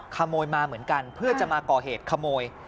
ขโมยมาเหมือนกันเพื่อจะมาก่อเหตุขโมย